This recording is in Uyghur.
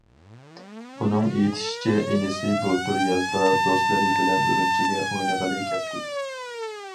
ئۇنىڭ ئېيتىشىچە، ئىنىسى بۇلتۇر يازدا دوستلىرى بىلەن ئۈرۈمچىگە ئوينىغىلى كەپتۇ.